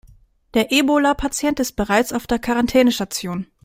Der Ebola-Patient ist bereits auf der Quarantänestation.